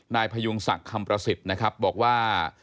พยุงศักดิ์คำประสิทธิ์นะครับบอกว่า